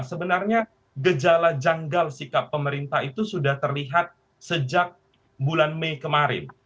sebenarnya gejala janggal sikap pemerintah itu sudah terlihat sejak bulan mei kemarin